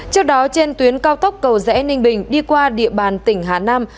trước đó trên tuyến cao tốc cầu rẽ ninh bình đi qua địa bàn tỉnh hà nam